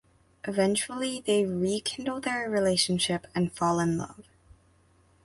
Eventually they rekindle their relationship and fall in love.